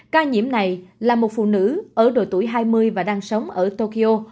ca nhiễm này là một phụ nữ ở độ tuổi hai mươi và đang sống ở tokyo